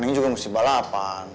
ini juga musti balapan